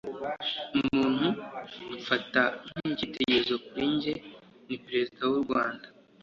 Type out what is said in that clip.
umuntu mfata nk’ikitegererezo kuri nge ni perezida w’u rwanda